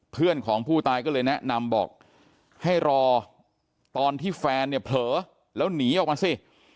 เพื่อนของผู้ตายก็เลยแนะนำบอกให้รอตอนที่แฟนเนี่ยเผลอแล้วหนีออกมาสิ